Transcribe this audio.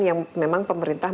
yang memang pemerintah